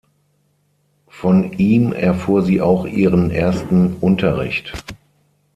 Von ihm erfuhr sie auch ihren ersten Unterricht.